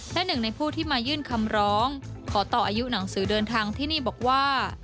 และหนึ่งในผู้ที่มายื่นคำร้องขอต่ออายุหนังสือเดินทางที่นี่บอกว่า